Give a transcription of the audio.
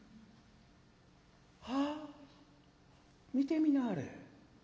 ああ見てみなはれ。